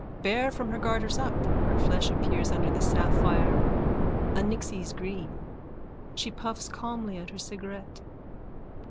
Bare from her garters up her flesh appears under the sapphire a nixie's green. She puffs calmly at her cigarette.)